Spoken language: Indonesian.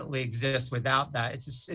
jadi kita bisa berhasil